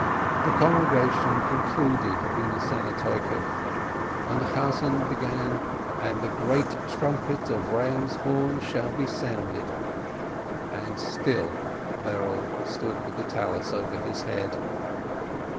The congregation concluded U Nesanneh Toikef, and the cantor began: "And the great trumpet of ram's horn shall be sounded ..." and still Berel stood with the Tallis over his head.